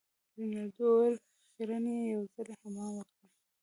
رینالډي وویل خیرن يې یو ځلي حمام وکړه.